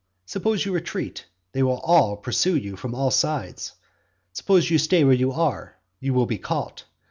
Suppose you retreat; they will all pursue you from all sides. Suppose you stay where you are; you will be caught.